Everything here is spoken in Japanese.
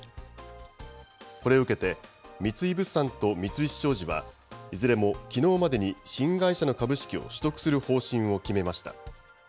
これを受けて、三井物産と三菱商事は、いずれもきのうまでに新会社の株式を取得する方針を決めました。